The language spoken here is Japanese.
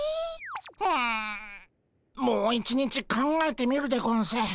うんもう一日考えてみるでゴンス。